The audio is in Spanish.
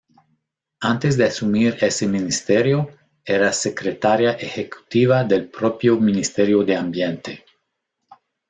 Antes de asumir ese Ministerio, era Secretaria Ejecutiva del propio Ministerio de Ambiente.